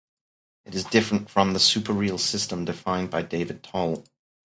It is different from the super-real system defined by David Tall.